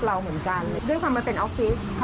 นั่นหมายความว่าเรามีเซฟ